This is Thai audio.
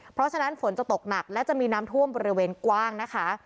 เพราะฉะนั้นฝนจะตกหนักและจะมีน้ำท่วมบริเวณกว้างนะคะ